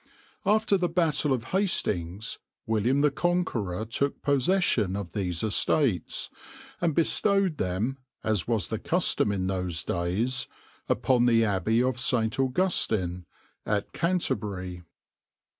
After the Battle of Hastings, William the Conqueror took possession of these estates, and bestowed them, as was the custom in those days, upon the Abbey of St. Augustine at Canterbury.